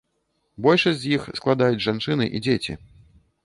Большасць з іх складаюць жанчыны і дзеці.